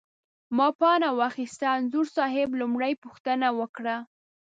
ما پاڼه واخسته، انځور صاحب لومړۍ پوښتنه وکړه.